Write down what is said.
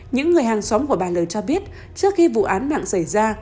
những người hàng xóm của bà l cho biết trước khi vụ án mạng xảy ra